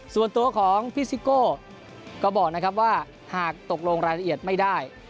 ส่วนตัวของพี่ซิโก้ก็บอกนะครับว่าหากตกลงรายละเอียดไม่ได้